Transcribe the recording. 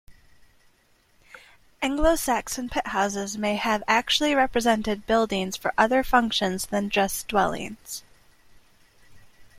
Anglo-Saxon pit-houses may have actually represented buildings for other functions than just dwellings.